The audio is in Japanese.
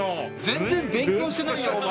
全然勉強してないやんお前！